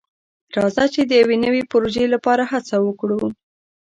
راځه چې د یو نوي پروژې لپاره هڅه وکړو.